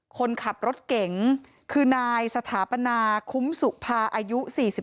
คนขับรถเก๋งคือนายสถาปนาคุ้มสุภาอายุ๔๒